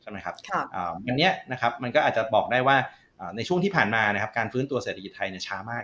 อันนี้นะครับมันก็อาจจะบอกได้ว่าในช่วงที่ผ่านมานะครับการฟื้นตัวเศรษฐกิจไทยช้ามาก